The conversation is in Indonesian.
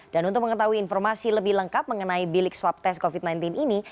dan untuk mengetahui informasi lebih lengkap mengenai bilik swab tes covid sembilan belas ini